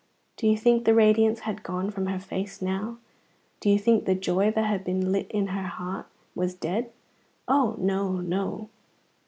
Do you think the radiance had gone from her face now? Do you think the joy that had been lit in her heart was dead? Oh, no, no!